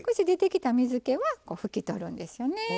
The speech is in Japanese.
出てきた水けはこう拭き取るんですよね。